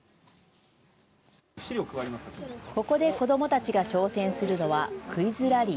ここで子どもたちが挑戦するのは、クイズラリー。